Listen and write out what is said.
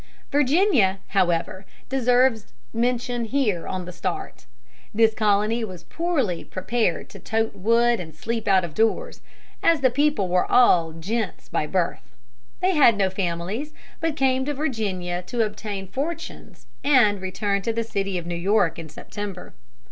Virginia, however, deserves mention here on the start. This colony was poorly prepared to tote wood and sleep out of doors, as the people were all gents by birth. They had no families, but came to Virginia to obtain fortunes and return to the city of New York in September.